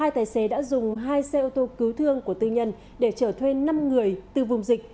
hai tài xế đã dùng hai xe ô tô cứu thương của tư nhân để chở thuê năm người từ vùng dịch